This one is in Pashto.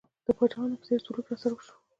د پاچاهانو په څېر سلوک راسره وشو.